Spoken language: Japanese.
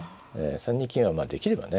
３二金はできればね